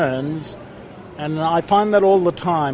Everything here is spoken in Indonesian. dan saya menemui itu selama lamanya